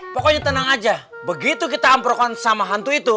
pokoknya tenang aja begitu kita amprokan sama hantu itu